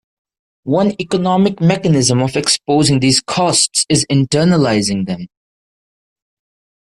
One economic mechanism of exposing these costs is internalizing them.